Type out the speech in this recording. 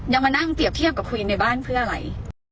มานั่งเปรียบเทียบกับคุยในบ้านเพื่ออะไร